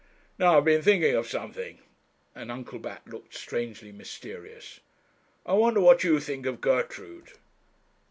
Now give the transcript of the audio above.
'Now I have been thinking of something;' and Uncle Bat looked strangely mysterious 'I wonder what you think of Gertrude?'